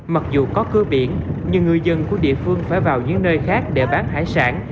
mặc dù có cơ biển nhưng ngư dân của địa phương phải vào những nơi khác để bán hải sản